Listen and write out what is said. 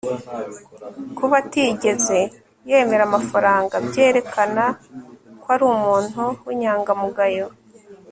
kuba atigeze yemera amafaranga byerekana ko ari umuntu w'inyangamugayo